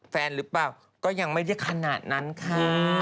แฟนหรือเปล่าก็ยังไม่ได้ขนาดนั้นค่ะ